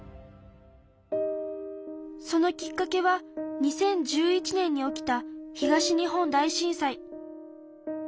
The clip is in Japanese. そのきっかけは２０１１年に起きた東日本大震災。